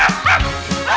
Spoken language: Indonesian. aduh pak de pak de